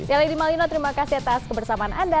ya lady malino terima kasih atas kebersamaan anda